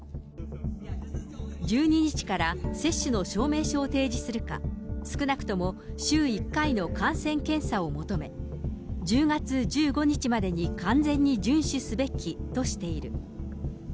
１２日から接種の証明書を提示するか、少なくとも週１回の感染検査を求め、１０月１５日までに完全に順守すべきとしている。